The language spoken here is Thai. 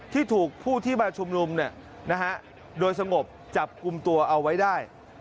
ที่ถูกผู้ที่มาชุมนุมโดยสงบจับกลุ่มตัวเอาไว้ได้